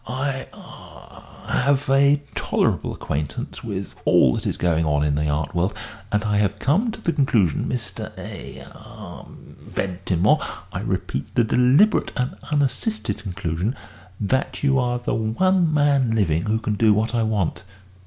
I ah have a tolerable acquaintance with all that is going on in the art world, and I have come to the conclusion, Mr. eh ah Ventimore, I repeat, the deliberate and unassisted conclusion, that you are the one man living who can do what I want."